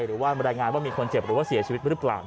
บรรยายงานว่ามีคนเจ็บหรือว่าเสียชีวิตหรือเปล่า